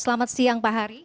selamat siang pak hari